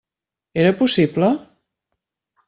Era possible?